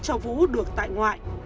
cho vũ được tại ngoại